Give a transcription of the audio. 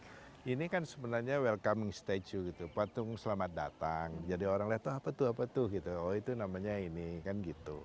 nah ini kan sebenarnya welcoming statu gitu patung selamat datang jadi orang lihat tuh apa tuh apa tuh gitu oh itu namanya ini kan gitu